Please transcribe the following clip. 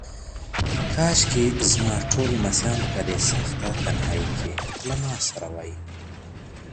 کاشکي زما ټول لمسیان په دې سخته تنهایۍ کې له ما سره وای.